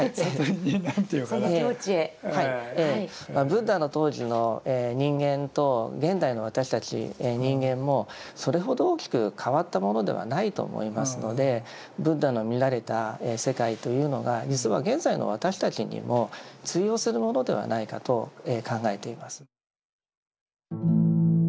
ブッダの当時の人間と現代の私たち人間もそれほど大きく変わったものではないと思いますのでブッダの見られた世界というのが実は現在の私たちにも通用するものではないかと考えています。